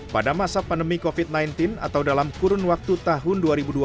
pada masa pandemi covid sembilan belas atau dalam kurun waktu tahun dua ribu dua puluh